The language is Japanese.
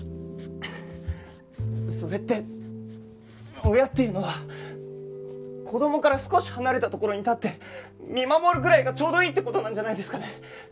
それって親っていうのは子供から少し離れたところに立って見守るぐらいがちょうどいいって事なんじゃないですかね？